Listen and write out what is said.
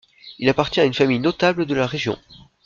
Il appartient à une famille notable de la région.